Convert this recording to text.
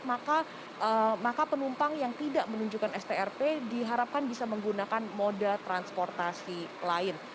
maka penumpang yang tidak menunjukkan strp diharapkan bisa menggunakan moda transportasi lain